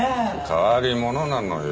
変わり者なのよ